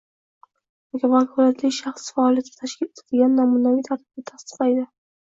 yoki vakolatli shaxsi faoliyatini tashkil etishning namunaviy tartibini tasdiqlaydi;